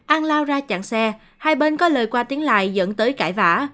an lao ra chặn xe hai bên có lời qua tiếng lại dẫn tới cãi vã